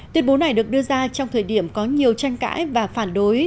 tuyên bố này được đưa ra trong thời điểm có nhiều tranh cãi và phản đối